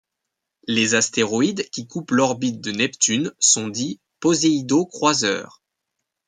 Les astéroïdes qui coupent l'orbite de Neptune sont dits poséidocroiseurs.